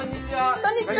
こんにちは！